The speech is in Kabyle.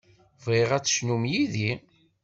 Bɣiɣ ad tecnum yid-i.